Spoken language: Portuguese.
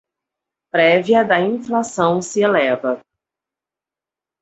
Prévia da inflação se eleva